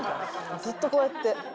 ずっとこうやって。